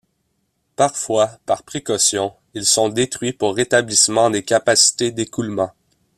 Parfois, par précaution, ils sont détruits pour rétablissement des capacités d'écoulement.